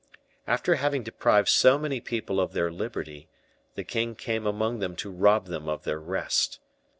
After having deprived so many people of their liberty, the king came among them to rob them of their rest.